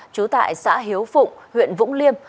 chú tại xã hiếu phụng huyện vũng liêm